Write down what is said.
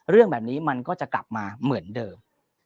เรื่องแบบนี้มันก็จะกลับมาเหมือนเดิม